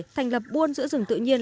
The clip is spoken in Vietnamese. thành lập buôn giữa rừng tự nhiên